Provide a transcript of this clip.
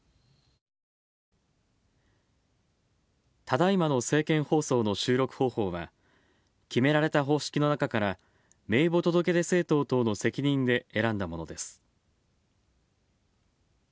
ただいまの政見放送の収録方法は、決められた方式の中から名簿届出政党等の責任で選んだものです。